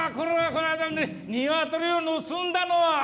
この間ニワトリを盗んだのは！